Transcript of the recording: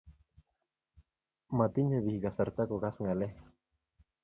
matinye pik kasrata ko kas ngalek